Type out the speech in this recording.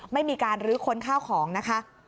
ไม่มีการลื้อค้นข้าวของนะคะ